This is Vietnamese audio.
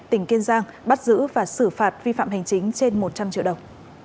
tỉnh kiên giang bắt giữ và xử phạt vi phạm hành chính trên một trăm linh triệu đồng